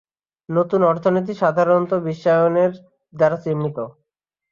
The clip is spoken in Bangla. নতুন অর্থনীতি, সাধারণত বিশ্বায়নের দ্বারা চিহ্নিত।